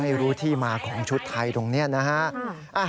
ไม่รู้ที่มาของชุดไทยตรงนี้นะฮะ